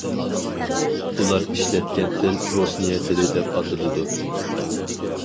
ئۇلار ئىشلەتكەن تىل بوسنىيە تىلى دەپ ئاتىلىدۇ.